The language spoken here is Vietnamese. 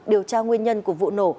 điều tra nguyên nhân của vụ nổ